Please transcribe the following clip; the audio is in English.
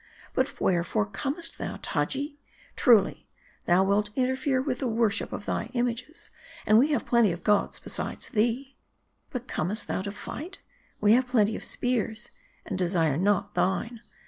But wherefore comest thou, Taji? Truly, thou wilt interfere with the worship of thy images, and we have plenty of gods besides thee. But comest thou to fight ? We have plenty of spears, and desire not thine.